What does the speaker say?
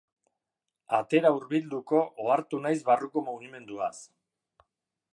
Atera hurbilduko ohartu naiz barruko mugimenduaz.